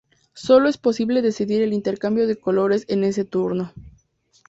Sólo es posible decidir el intercambio de colores en ese turno.